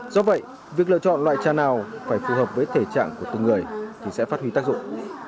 do vậy việc lựa chọn loại trà nào phải phù hợp với thể trạng của từng người thì sẽ phát huy tác dụng